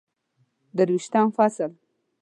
درویشتم فصل